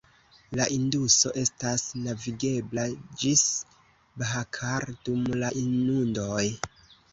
La Induso estas navigebla ĝis Bhakar dum la inundoj.